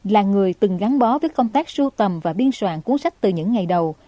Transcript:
là người từng gắn bó với công tác sưu tầm và biên soạn cuốn sách từ những ngày đầu